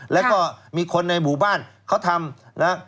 แล้วก็มีคนในหมู่บ้านเขาทำนะ